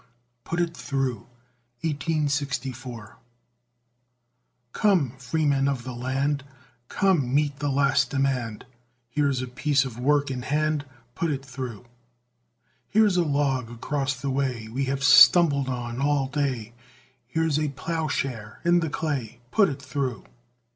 PUT IT THROUGH Come, Freemen of the land, Come, meet the last demand, Here's a piece of work in hand; Put it through! Here's a log across the way, We have stumbled on all day; Here's a ploughshare in the clay, Put it through!